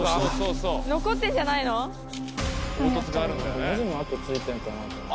ここにも跡ついてんのかなと思って。